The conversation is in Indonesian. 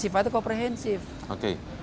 sifatnya komprehensif oke